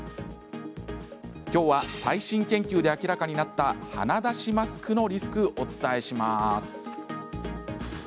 きょうは最新研究で明らかになった鼻だしマスクのリスクお伝えします。